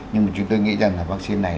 nhưng mà chúng tôi nghĩ rằng là vaccine này